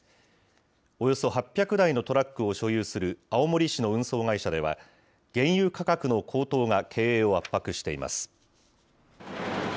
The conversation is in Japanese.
およそ８００台のトラックを所有する青森市の運送会社では、原油価格の高騰が経営を圧迫しています。